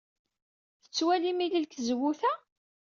Tettwalim ilel seg tzewwut-a.